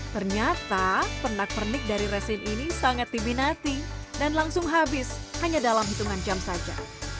ternyata pernak pernik dari resin ini sangat diminati dan langsung habis hanya dalam hitungan jam saja